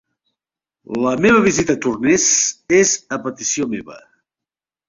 La meva visita a Torness és a petició meva.